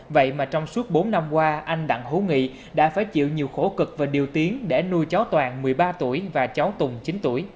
vậy mà trong suốt bốn năm qua anh đặng hữu nghị đã phải chịu nhiều khổ cực và điều tiến để nuôi cháu toàn một mươi ba tuổi và cháu tùng chín tuổi